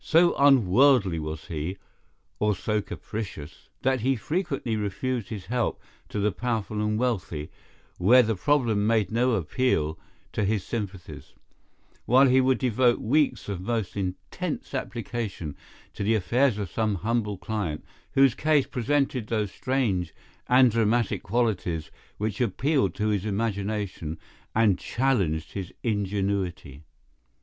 So unworldly was he—or so capricious—that he frequently refused his help to the powerful and wealthy where the problem made no appeal to his sympathies, while he would devote weeks of most intense application to the affairs of some humble client whose case presented those strange and dramatic qualities which appealed to his imagination and challenged his ingenuity.